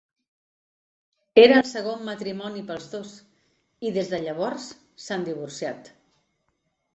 Era el segon matrimoni pels dos, i des de llavors s'han divorciat.